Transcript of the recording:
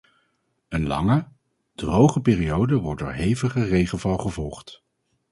Een lange, droge periode wordt door hevige regenval gevolgd.